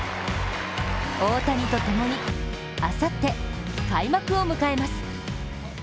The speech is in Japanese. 大谷と共にあさって開幕を迎えます。